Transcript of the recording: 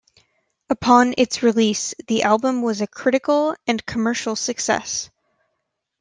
Upon its release, the album was a critical and commercial success.